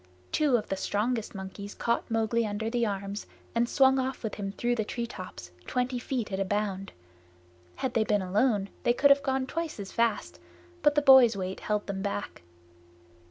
Two of the strongest monkeys caught Mowgli under the arms and swung off with him through the treetops, twenty feet at a bound. Had they been alone they could have gone twice as fast, but the boy's weight held them back.